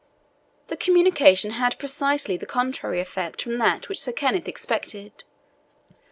This communication had precisely the contrary effect from that which Sir Kenneth expected.